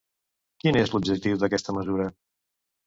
Quin és l'objectiu d'aquesta mesura?